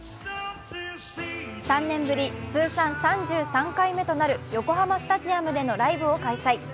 ３年ぶり、通算３３回目となる横浜スタジアムでのライブを開催。